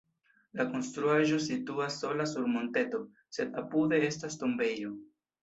La konstruaĵo situas sola sur monteto, sed apude estas tombejo.